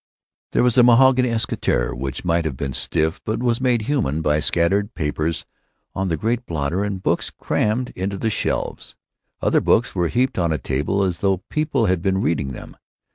There was a mahogany escritoire, which might have been stiff but was made human by scattered papers on the great blotter and books crammed into the shelves. Other books were heaped on a table as though people had been reading them.